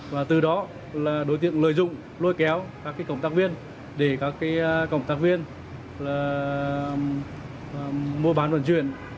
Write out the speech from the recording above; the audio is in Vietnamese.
và từ đó là đối tượng lợi dụng lôi kéo các cộng tác viên để các cộng tác viên mua bán vận chuyển